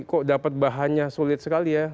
kok dapat bahannya sulit sekali ya